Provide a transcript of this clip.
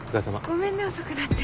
ごめんね遅くなって。